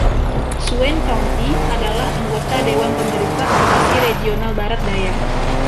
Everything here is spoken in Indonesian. Swain County adalah anggota dewan pemerintah Komisi Regional Barat Daya.